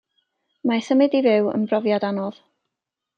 Mae symud i fyw yn brofiad anodd.